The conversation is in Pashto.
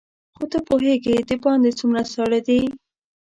ته خو پوهېږې دباندې څومره ساړه دي.